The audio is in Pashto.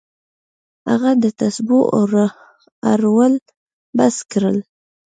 هغه د تسبو اړول بس کړل.